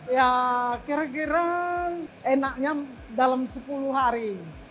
ya kira kira enaknya dalam sepuluh hari